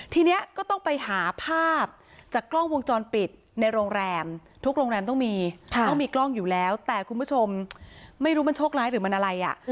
ทีนี้ก็ต้องไปหาภาพจากกล้องวงจรปิดในโรงแรมทุกโรงแรมต้องมีต้องมีกล้องอยู่แล้วแต่คุณผู้ชมไม่รู้มันโชคร้ายหรือมันอะไรอ่ะ